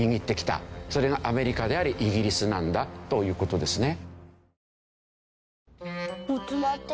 それがアメリカでありイギリスなんだという事ですね。